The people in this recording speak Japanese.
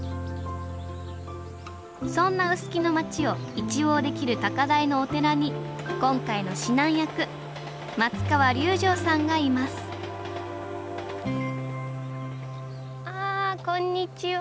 そんな臼杵の町を一望できる高台のお寺に今回の指南役松川隆乗さんがいますあこんにちは。